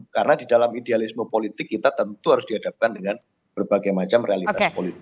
karena di dalam idealisme politik kita tentu harus dihadapkan dengan berbagai macam realitas politik